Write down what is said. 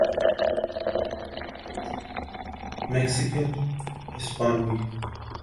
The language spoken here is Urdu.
میکسیکن ہسپانوی